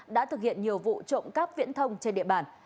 đã thực hiện nhiều vụ trộm cắp viễn thông trên địa bàn